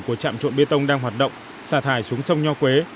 của trạm trộn bê tông đang hoạt động xả thải xuống sông nho quế